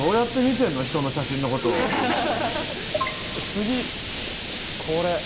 次これ。